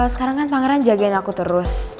sekarang kan pangeran jagain aku terus